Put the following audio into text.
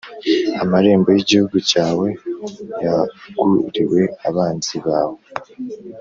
amarembo y’igihugu cyawe yāguriwe abanzi bawe